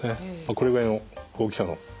これぐらいの大きさの。